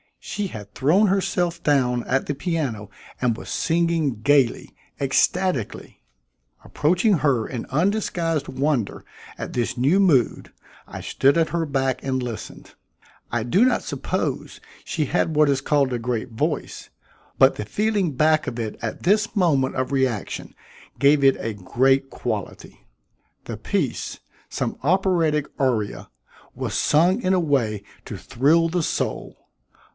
She had thrown herself down at the piano and was singing gaily, ecstatically. Approaching her in undisguised wonder at this new mood, I stood at her back and listened. I do not suppose she had what is called a great voice, but the feeling back of it at this moment of reaction gave it a great quality. The piece some operatic aria was sung in a way to thrill the soul.